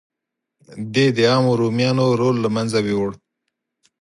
دې د عامو رومیانو رول له منځه یووړ